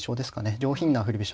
上品な振り飛車